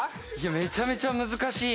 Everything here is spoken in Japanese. めちゃめちゃ難しい。